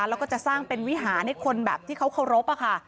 แล้วก็จะสร้างเป็นวิหารให้คนแบบที่เขาเคารพอะค่ะ